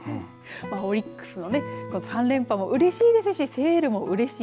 オリックスの３連覇もうれしいですしセールもうれしい。